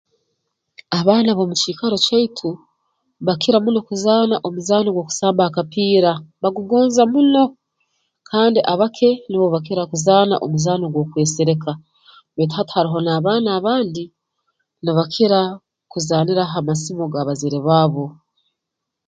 Abaana b'omu kiikaro kyaitu bakira muno kuzaana omuzaano ogw'okusamba akapiira bagugonza muno kandi abake nubo bakira kuzaana omuzaano gw'okwesereka baitu hati haroho n'abaana abandi nibakira kuzaanira ha masimu g'abazaire baabo